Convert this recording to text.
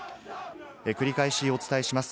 繰り返しお伝えします。